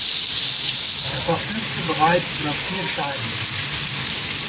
Er verfügte bereits über vier Scheibenbremsen.